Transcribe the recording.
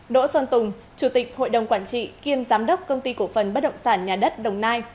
đỗ xuân tùng chủ tịch hội đồng quản trị kiêm giám đốc công ty cổ phần bất động sản nhà đất đồng nai